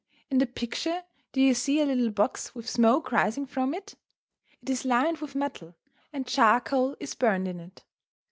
In the picture do you see a little box with smoke rising from it? It is lined with metal, and charcoal is burned in it.